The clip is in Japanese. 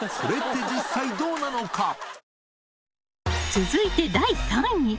続いて、第３位。